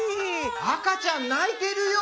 ・あかちゃんないてるよ。